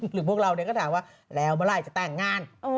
พวกเราก็ถามว่าแล้วเมื่อไหร่จะแต่งงาน